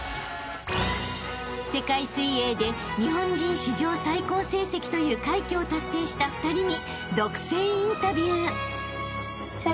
［世界水泳で日本人史上最高成績という快挙を達成した２人に］